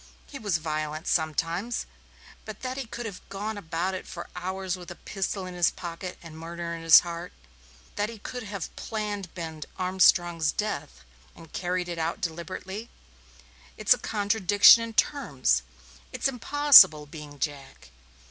He was violent sometimes, but that he could have gone about for hours with a pistol in his pocket and murder in his heart; that he could have planned Ben Armstrong's death and carried it out deliberately it's a contradiction in terms. It's impossible, being Jack.